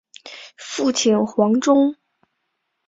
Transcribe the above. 父亲黄中。